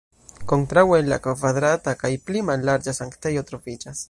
Kontraŭe la kvadrata kaj pli mallarĝa sanktejo troviĝas.